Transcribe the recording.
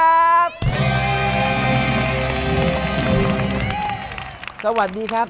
สวัสดีครับสวัสดีครับสวัสดีมากค่ะครับผม